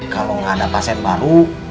kalau nggak ada pasien baru